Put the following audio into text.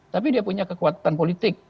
tapi dia punya kekuatan politik